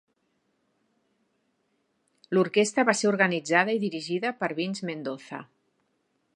L'orquestra va ser organitzada i dirigida per Vince Mendoza.